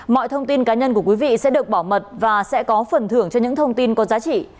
mọi thông tin cá nhân của quý vị sẽ được bảo mật và sẽ có phần thưởng cho những thông tin có giá trị